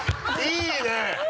いいね！